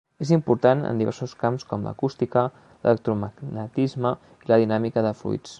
És important en diversos camps com l'acústica, l'electromagnetisme i la dinàmica de fluids.